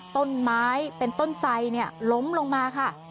ต้นไม้เป็นต้นไสล้มลงมาค่ะ